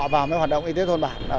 vào mấy hoạt động y tế thôn bản